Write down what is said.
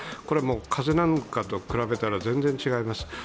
これはもう風邪なんかと比べると全然違います。